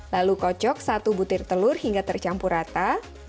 lalu kocok satu butir telur hingga tercampur rata